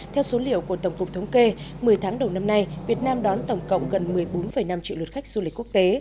theo số liệu của tổng cục thống kê một mươi tháng đầu năm nay việt nam đón tổng cộng gần một mươi bốn năm triệu lượt khách du lịch quốc tế